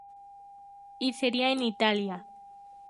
Y sería en Italia.